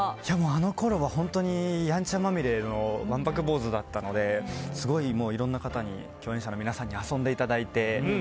あのころは本当にやんちゃまみれのわんぱく坊主だったのですごい、いろんな方共演者の皆さんに遊んでいただいて。